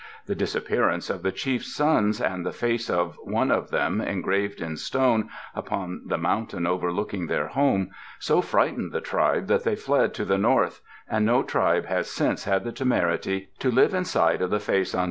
The disappearance of the ChiefŌĆÖs sons and the face of one of them, engraved in stone, upon the mountain overlooking their home, so frightened the tribe that they fled to the north, and no tribe has since had the temerity to live in sight of the face on Dah nol yo.